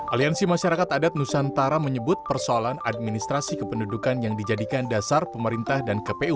aliansi masyarakat adat nusantara menyebut persoalan administrasi kependudukan yang dijadikan dasar pemerintah dan kpu